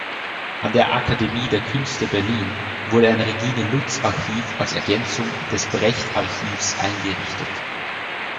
An der Akademie der Künste Berlin wurde ein Regine-Lutz-Archiv als Ergänzung des Brecht-Archivs eingerichtet.